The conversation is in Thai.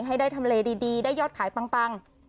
ให้ได้ทำเลดีได้ยอดขายปัง